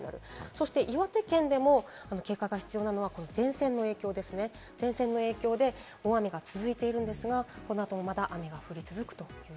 そして岩手県でも警戒が必要なのは前線の影響ですね、前線の影響で大雨が続いているんですが、この後もまだ雨が降り続くという